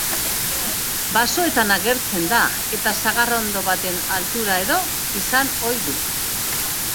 Basoetan agertzen da eta sagarrondo baten altura-edo izan ohi du.